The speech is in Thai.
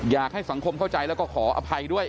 อยากให้สังคมเข้าใจแล้วก็ขออภัยด้วย